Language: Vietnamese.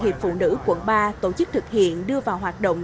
hiệp phụ nữ quận ba tổ chức thực hiện đưa vào hoạt động